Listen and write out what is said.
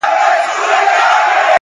مثبت ذهن فرصتونه جذبوي